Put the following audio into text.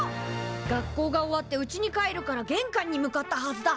学校が終わって家に帰るから玄関に向かったはずだ。